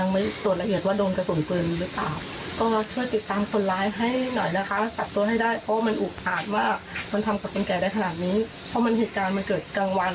มันทำกับคนแก่ได้ขนาดนี้เพราะมันเหตุการณ์มันเกิดกลางวัน